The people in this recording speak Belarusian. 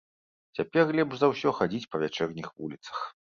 Цяпер лепш за ўсё хадзіць па вячэрніх вуліцах.